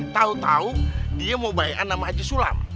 tahu tahu dia mau baikan sama haji sulam